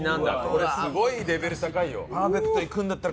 これすごいレベル高いよ。